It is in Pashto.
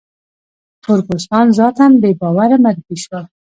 تور پوستان ذاتاً بې باوره معرفي شول.